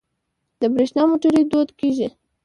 د بریښنا موټرې دود کیږي.